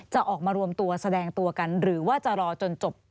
จะออกมารวมตัวแสดงตัวกันหรือว่าจะรอจนจบ